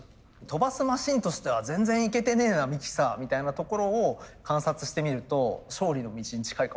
飛ばすマシンとしては全然いけてねえなミキサーみたいなところを観察してみると勝利の道に近いかもしれない。